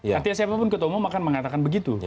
artinya siapapun ketemu akan mengatakan begitu